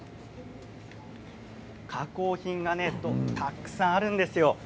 加工品がたくさんあるんですよ。